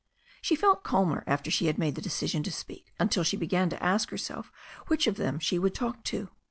She felt calmer after she had made the decision to speak until she began to ask herself which of them she would talk to.